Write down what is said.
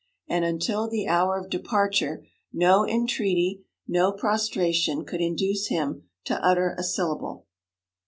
And until the hour of departure no entreaty, no prostration, could induce him to utter a syllable.